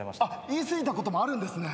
言い過ぎたこともあるんですね？